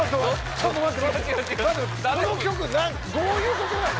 ちょっと待って。